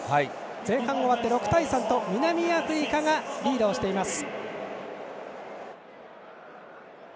前半終わって６対３と南アフリカがリードしています。